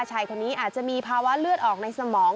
ชายคนนี้อาจจะมีภาวะเลือดออกในสมอง